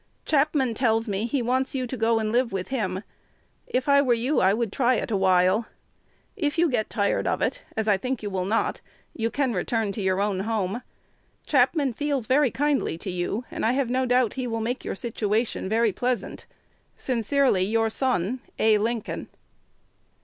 Chapman tells me he wants you to go and live with him. If I were you, I would try it a while. If you get tired of it (as I think you will not), you can return to your own home. Chapman feels very kindly to you; and I have no doubt he will make your situation very pleasant. Sincerely your son, A. Lincoln.